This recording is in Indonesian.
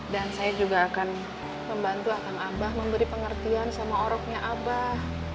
dan saya juga akan membantu akang abah memberi pengertian sama oroknya abah